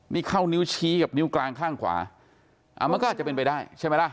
นี่เข้านิ้วชี้กับนิ้วกลางข้างขวามันก็อาจจะเป็นไปได้ใช่ไหมล่ะ